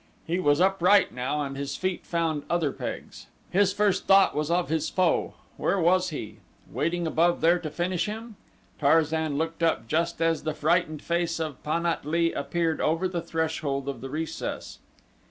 He was upright now and his feet found other pegs. His first thought was of his foe. Where was he? Waiting above there to finish him? Tarzan looked up just as the frightened face of Pan at lee appeared over the threshold of the recess.